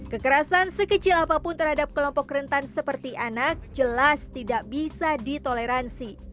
kekerasan sekecil apapun terhadap kelompok rentan seperti anak jelas tidak bisa ditoleransi